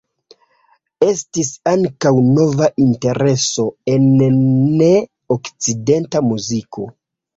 Estis ankaŭ nova intereso en ne-okcidenta muziko.